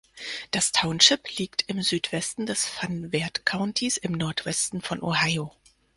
Das Township liegt im Südwesten des Van Wert Countys im Nordwesten von Ohio.